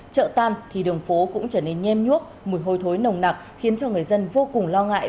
chợ tam thì đường phố cũng trở nên nhem nhuốc mùi hôi thối nồng nặc khiến cho người dân vô cùng lo ngại